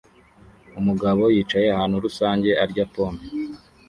Umugabo yicaye ahantu rusange arya pome